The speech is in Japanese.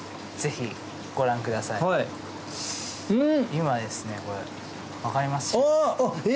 今ですねこれ分かります？え？